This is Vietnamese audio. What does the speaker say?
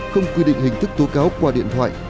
không quy định hình thức tố cáo qua điện thoại